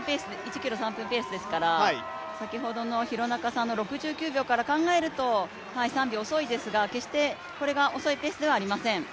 １ｋｍ３分ペースですから、先ほどの廣中さんの６９秒から考えると３秒遅いですが決して遅いペースではありません。